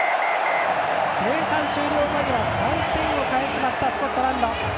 前半終了間際、３点を返しましたスコットランド！